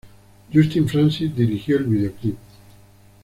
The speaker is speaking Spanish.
Justin Francis dirigió el videoclip.